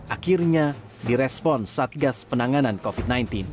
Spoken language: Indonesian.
akhirnya direspon satgas penanganan covid sembilan belas